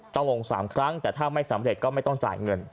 ต้องลง๓ครั้งแต่ถ้าไม่สำเร็จก็ไม่ต้องจ่ายเงิน